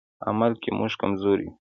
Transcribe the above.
عمل کې موږ کمزوري یو.